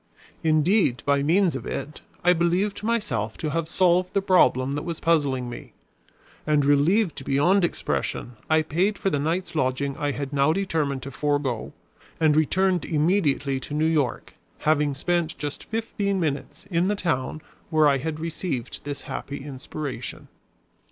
Indeed, by means of it, I believed myself to have solved the problem that was puzzling me, and relieved beyond expression, I paid for the night's lodging I had now determined to forego, and returned immediately to New York, having spent just fifteen minutes in the town where I had received this happy inspiration.